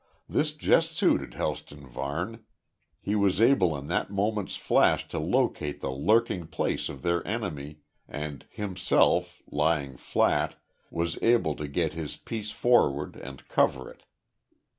This just suited Helston Varne. He was able in that moment's flash to locate the lurking place of their enemy, and himself, lying flat, was able to get his piece forward, and cover it.